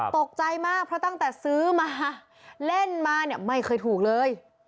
ตกใจมากเพราะตั้งแต่ซื้อมาเล่นมาเนี่ยไม่เคยถูกเลย